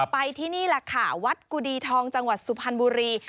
ไปที่นี่แหละค่ะวัดกุดีทองจังหวัดสุพรรณบุรี